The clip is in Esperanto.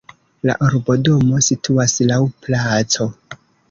La urbodomo situas laŭ placo.